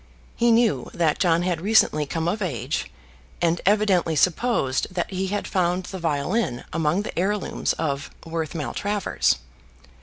He knew that John had recently come of age, and evidently supposed that he had found the violin among the heirlooms of Worth Maltravers.